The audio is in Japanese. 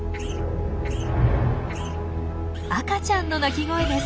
赤ちゃんの鳴き声です！